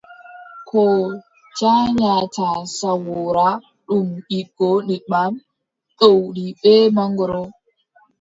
Ko jaanyata sawoora, ɗum yiɗgo nebbam, ɗowdi bee mongoro.